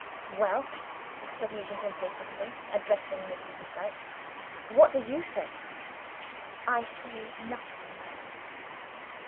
"Well?" said Nugent, impatiently addressing Mr. Sebright. "What do you say?" "I say nothing yet."